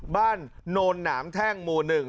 บ้านโณนหล่ามแทบหมูหนึ่ง